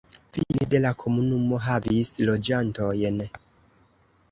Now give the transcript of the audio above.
Fine de la komunumo havis loĝantojn..